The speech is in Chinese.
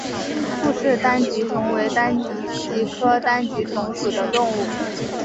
傅氏单极虫为单极科单极虫属的动物。